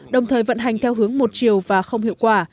đồng thời vận hành theo hướng một chiều và không hiệu quả